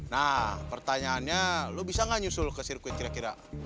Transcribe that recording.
nah pertanyaannya lo bisa nggak nyusul ke sirkuit kira kira